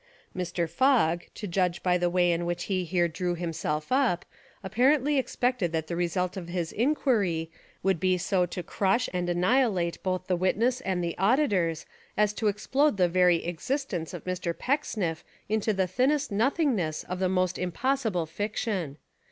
Mr. Fogg, to judge by the way in which he here drew himself up, apparently expected that 223 Essays and Literary Studies the result of his enquiry would be so to crush and annihilate both the witness and the auditors as to explode the very existence of Mr. Pecksniff into the thinnest nothingness of the most impos sible fiction.